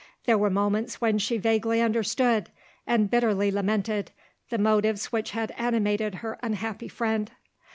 There were moments when she vaguely understood, and bitterly lamented, the motives which had animated her unhappy friend.